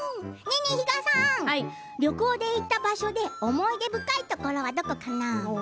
比嘉さん、旅行で行った場所で思い出深いところはどこかな？